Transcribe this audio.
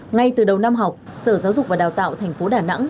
ngay từ đầu năm học sở giáo dục và đào tạo thành phố đà nẵng